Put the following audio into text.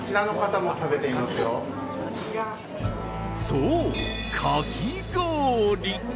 そう、かき氷！